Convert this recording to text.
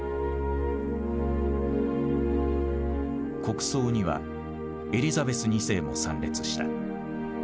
国葬にはエリザベス２世も参列した。